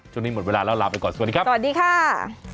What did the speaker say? หมดเวลาแล้วลาไปก่อนสวัสดีครับสวัสดีค่ะ